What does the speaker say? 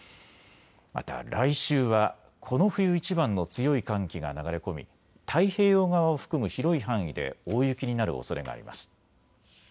また来週はこの冬いちばんの強い寒気が流れ込み太平洋側を含む広い範囲で大雪になるおそれがあります。